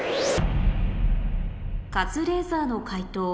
カズレーザーの解答